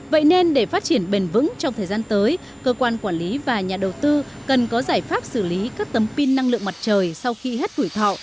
vậy nên để phát triển bền vững trong thời gian tới cơ quan quản lý và nhà đầu tư cần có giải pháp xử lý các tấm pin năng lượng mặt trời sau khi hết tuổi thọ